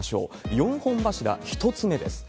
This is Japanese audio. ４本柱、１つ目です。